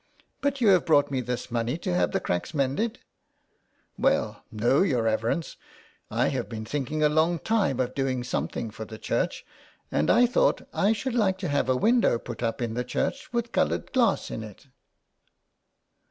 *' But you have brought me this money to have the cracks mended ?"*' Well, no, your reverence. I have been thinking a long time of doing something for the church, and I thought I should like to have a window put up in the church with coloured glass in it."